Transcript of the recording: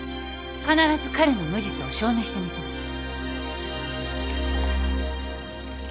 必ず彼の無実を証明してみせます。